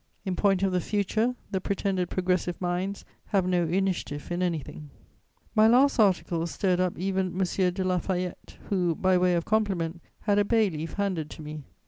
In point of the future, the pretended progressive minds have no initiative in anything. My last articles stirred up even M. de La Fayette, who, by way of compliment, had a bay leaf handed to me.